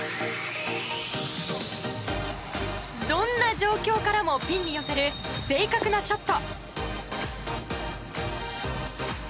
どんな状況からもピンに寄せる正確なショット。